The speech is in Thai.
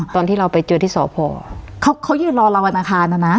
ตอนที่เราไปเจอที่สพเขาเขายืนรอเราวันอังคารนะนะ